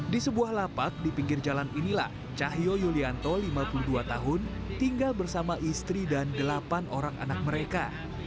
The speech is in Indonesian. di sebuah lapak di pinggir jalan inilah cahyo yulianto lima puluh dua tahun tinggal bersama istri dan delapan orang anak mereka